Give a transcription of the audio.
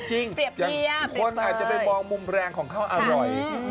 คนอาจจะไปมองมุมแรงของเขาอร่อย